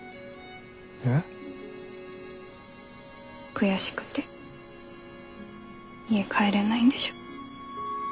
悔しくて家帰れないんでしょ。